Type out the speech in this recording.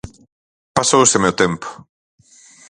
Pasóuseme o tempo.